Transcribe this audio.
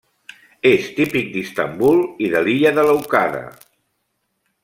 És típic d'Istanbul i de l'illa de Lèucada.